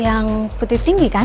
yang putih tinggi kan